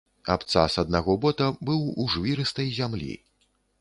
Абцас аднаго бота быў у жвірыстай зямлі.